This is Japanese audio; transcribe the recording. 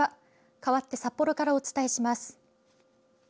かわって札幌からお伝えします。